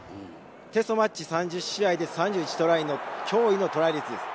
テストマッチ３０試合で３１トライの驚異のトライ率です。